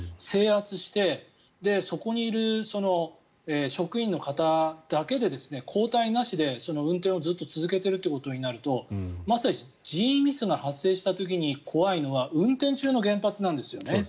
制圧してそこにいる職員の方だけで交代なしで運転をずっと続けているということになるとまさに人為ミスが発生した時に怖いのは運転中の原発なんですよね。